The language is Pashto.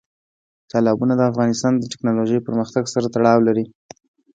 تالابونه د افغانستان د تکنالوژۍ پرمختګ سره تړاو لري.